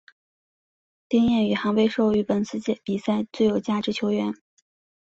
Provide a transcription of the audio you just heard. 丁彦雨航被授予本次比赛最有价值球员。